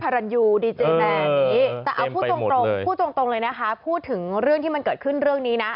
แต่เอาพูดตรงเลยนะคะพูดถึงเรื่องที่มันเกิดขึ้นเรื่องนี้นะ